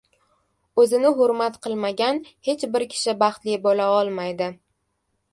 O‘zini hurmat qilmagan hech bir kishi baxtli bo‘la olmaydi.